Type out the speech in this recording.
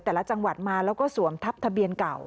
แต่ละจังหวัดมาแล้วก็สวมทับทะเบียนเก่า